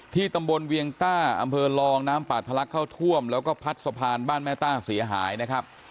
ตำบลเวียงต้าอำเภอลองน้ำป่าทะลักเข้าท่วมแล้วก็พัดสะพานบ้านแม่ต้าเสียหายนะครับ